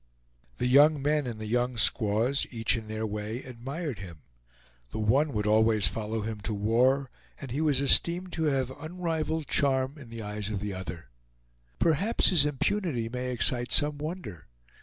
The young men and the young squaws, each in their way, admired him. The one would always follow him to war, and he was esteemed to have unrivaled charm in the eyes of the other. Perhaps his impunity may excite some wonder.